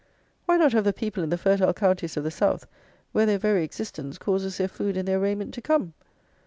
Why not have the people in the fertile counties of the South, where their very existence causes their food and their raiment to come?